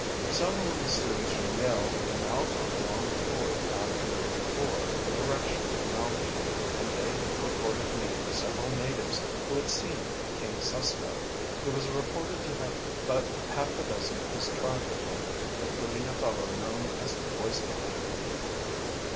"Several of the students from Yale had been out on a long tour the afternoon before, in the direction, of the mountain, and they had reported meeting several natives who had seen King Susko. He was reported to have but half a dozen of his tribe with him, including a fellow known as Poison Eye.